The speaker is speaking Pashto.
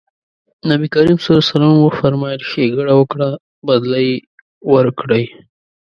نبي کريم ص وفرمایل ښېګڼه وکړه بدله يې ورکړئ.